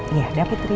iya dah putri